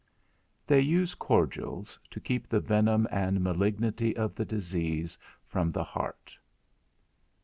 _They use cordials, to keep the venom and malignity of the disease from the heart.